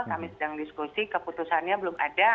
kami sedang diskusi keputusannya belum ada